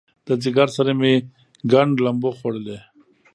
د ځیګر سره مې ګنډ لمبو خوړلی